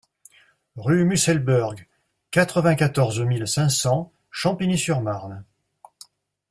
Rue Musselburgh, quatre-vingt-quatorze mille cinq cents Champigny-sur-Marne